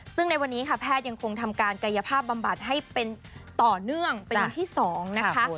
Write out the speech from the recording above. ซึ่งในวันนี้ค่ะแพทย์ยังคงทำการกายภาพบำบัดให้เป็นต่อเนื่องเป็นวันที่๒นะคะ